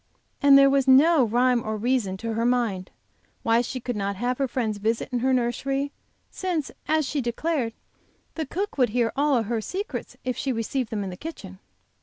And there was no rhyme or reason, to her mind, why she could not have her friends visit in her nursery, since, as she declared, the cook would hear all her secrets if she received them in the kitchen.